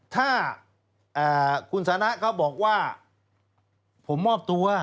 ถ้าคุณสนะเขาบอกว่าผมมอบตัว